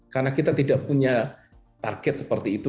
karena kita tidak punya target seperti itu